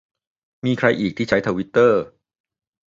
มีใครอีกที่ใช้ทวิตเตอร์